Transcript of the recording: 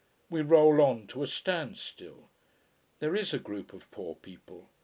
We roll on to a standstill. There is a group of poor people.